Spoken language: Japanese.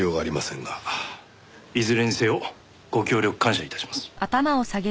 いずれにせよご協力感謝致します。